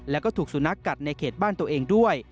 แล้วก็ถูกสุนัขกัดในเขตบ้านตัวเองด้วย